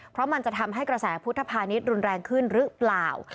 เพราะมันจะทำให้กระแสพุทธภานิษฐ์รุนแรงขึ้นหรือเปล่า